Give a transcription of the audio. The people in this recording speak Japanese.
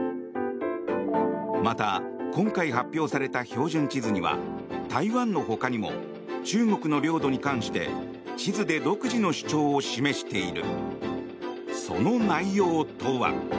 また、今回発表された標準地図には台湾の他にも中国の領土に関して地図で独自の主張を示している。